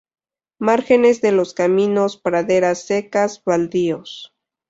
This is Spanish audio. Márgenes de los caminos, praderas secas, baldíos.